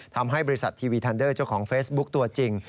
ทำให้บริษัททีวีทันเดอร์เจ้าของเฟซบุ๊คตัวจริง